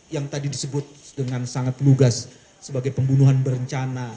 yang tadi disebut dengan sangat lugas sebagai pembunuhan berencana